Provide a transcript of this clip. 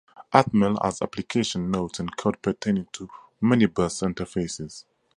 Atmel has application notes and code pertaining to many bus interfaces.